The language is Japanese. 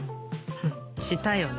したよね